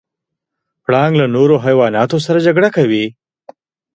پړانګ له نورو حیواناتو سره جګړه کوي.